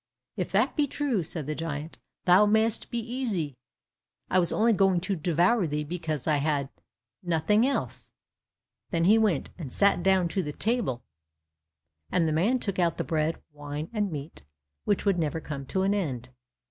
"If that be true," said the giant, "thou mayst be easy, I was only going to devour thee because I had nothing else." Then they went, and sat down to the table, and the man took out the bread, wine, and meat which would never come to an end.